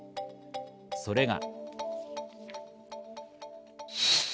それが。